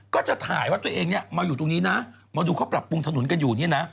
ก็จะถ่ายว่าตนเองมาอยู่ตรงนี้มาดูเขาปรับปรุงถนนกันอยู่